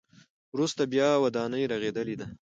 وروسته بیا ودانۍ رغېدلې ده.